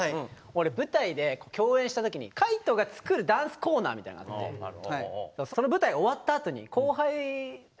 俺舞台で共演した時に海人が作るダンスコーナーみたいなのがあってその舞台が終わったあとに後輩を連れてごはんに行ったんですよ。